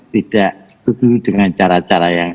tidak setuju dengan cara cara yang